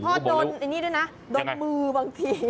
โดนไอ้นี่ด้วยนะโดนมือบางที